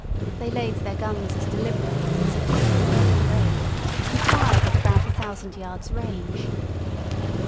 They laid their guns as deliberately as if they had been on parade, and fired at about a thousand yards' range.